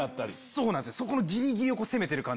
そうなんです。